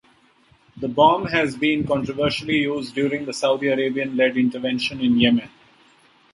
The bomb has been controversially used during the Saudi Arabian-led intervention in Yemen.